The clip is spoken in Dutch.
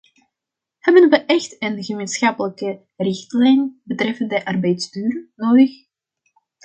Hebben we echt een gemeenschappelijke richtlijn betreffende arbeidsduur nodig?